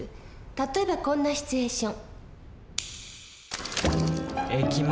例えばこんなシチュエーション。